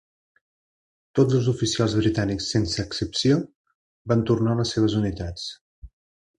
Tots els oficials britànics, sense excepció, van tornar a les seves unitats.